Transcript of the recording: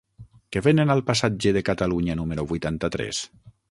Què venen al passatge de Catalunya número vuitanta-tres?